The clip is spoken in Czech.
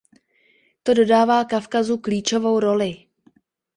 To dává Kavkazu klíčovou roli.